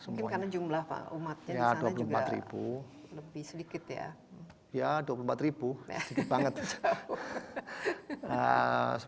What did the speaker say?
mungkin karena jumlah umatnya di sana juga lebih sedikit ya